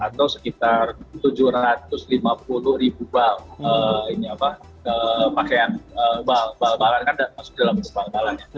atau sekitar tujuh ratus lima puluh ribu bal pakaian bal balan